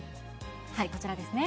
こちらですね。